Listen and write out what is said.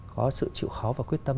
có sự chịu khó và quyết tâm